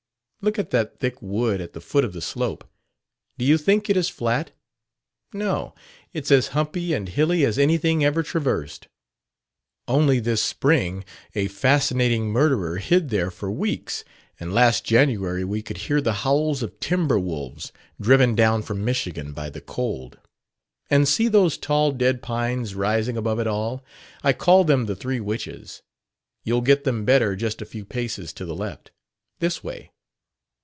Look at that thick wood at the foot of the slope: do you think it is flat? No, it's as humpy and hilly as anything ever traversed. Only this spring a fascinating murderer hid there for weeks, and last January we could hear the howls of timber wolves driven down from Michigan by the cold. And see those tall dead pines rising above it all. I call them the Three Witches. You'll get them better just a few paces to the left. This way."